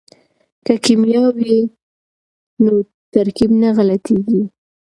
که کیمیا وي نو ترکیب نه غلطیږي.